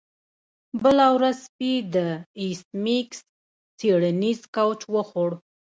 بله ورځ سپي د ایس میکس څیړنیز کوچ وخوړ